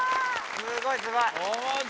すごいすごい。